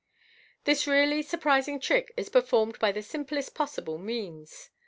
This really surprising trick is performed by the simplest possible means.